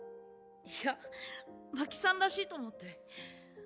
いや真希さんらしいと思って。